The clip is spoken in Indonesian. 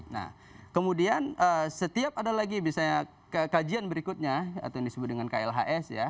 nah kemudian setiap ada lagi misalnya kajian berikutnya atau yang disebut dengan klhs ya